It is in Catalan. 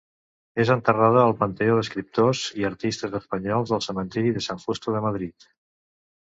És enterrada al Panteó d'Escriptors i Artistes Espanyols del Cementiri de San Justo de Madrid.